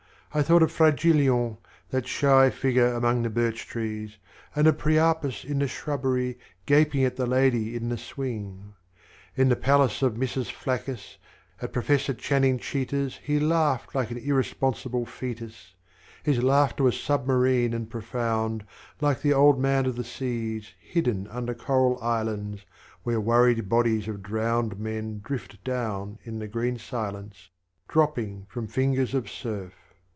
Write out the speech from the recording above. I thought of Fragilion, that shy figure among the birch trees, And of Priapus in the shrubbery Gaping at the lady in the swing. In the palace of Mrs. Phlaccus, at Professor Channing Cheetah's He laughed like an irresponsible foetus. HWith your aid indiffeis laughter was submarine and profound Like the old man of the sea's Hidden under coral islands Where worried bodies of drowned men drift down in the green silence, Dropping from fingers of surf.